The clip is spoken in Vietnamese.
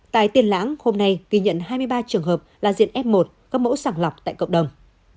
tại tiền lãng hôm nay ghi nhận hai mươi ba trường hợp là diện f một các mẫu sàng lọc tại cộng đồng